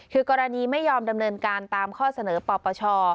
คือกรณีไม่ยอมดำเนินการตามข้อเสนอปปช